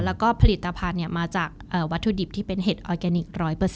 แล้วก็ผลิตภัณฑ์มาจากวัตถุดิบที่เป็นเห็ดออร์แกนิค๑๐๐